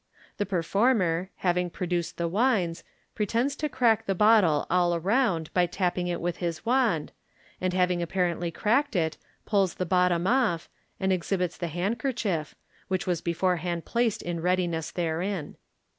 The per former, having produced the wines, pretends to crack the bottle all round by rapping it with his wand, and, having apparently cracked it, pulls the bottom off, and exhibits the handkerchief, which was before hand placed in readiness therein.